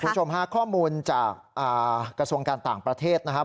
คุณผู้ชมฮะข้อมูลจากกระทรวงการต่างประเทศนะครับ